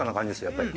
やっぱり。